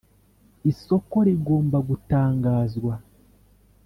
Isoko rigomba gutangazwa